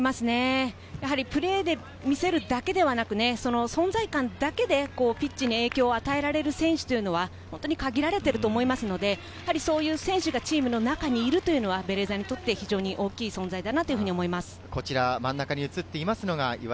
プレーで見せるだけではなくて、存在感だけでピッチに影響を与えられる選手は本当に限られていると思いますので、そういった選手がチームにいると思うのは、ベレーザにとって大きな存在です。